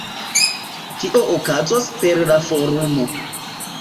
Tio okazos per la forumo.